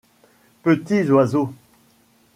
Petits oiseaux.